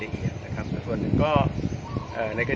ถ้าไม่ได้ขออนุญาตมันคือจะมีโทษ